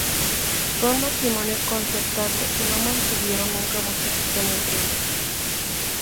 Fue un matrimonio concertado y no mantuvieron nunca mucha cercanía entre ellos.